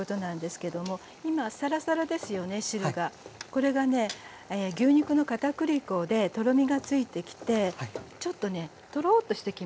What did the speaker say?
これがね牛肉の片栗粉でとろみがついてきてちょっとねトロッとしてきます。